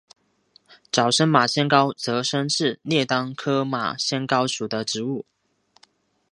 沼生马先蒿沼生是列当科马先蒿属的植物。